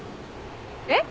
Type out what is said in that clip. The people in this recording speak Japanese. えっ？